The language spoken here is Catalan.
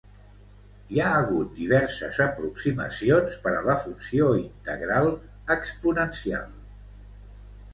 Hi ha hagut diverses aproximacions per a la funció integral exponencial.